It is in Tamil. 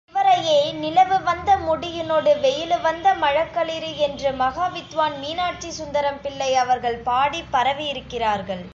இவரையே, நிலவு வந்த முடியினொடு வெயிலுவந்த மழகளிறு என்று மகாவித்வான் மீனாட்சி சுந்தரம் பிள்ளை அவர்கள் பாடிப் பரவியிருக்கிறார்கள்.